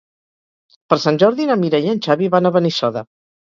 Per Sant Jordi na Mira i en Xavi van a Benissoda.